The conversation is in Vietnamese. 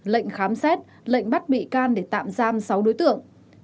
lệnh khám xét lệnh bắt bị can để tạm giam sáu đối tượng